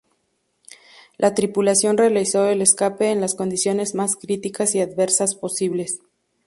La tripulación realizó el escape en las condiciones más críticas y adversas posibles.